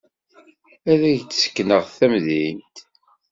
Ad ak-d-sekneɣ tamdint.